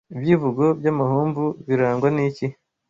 Ibyivugo by’amahomvu birangwa n’iki